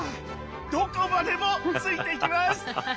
どこまでもついていきます！